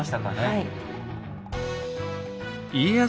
はい。